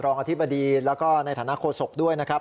อธิบดีแล้วก็ในฐานะโฆษกด้วยนะครับ